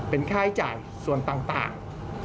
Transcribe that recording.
เป็นค่าใช้จ่ายส่วนต่าง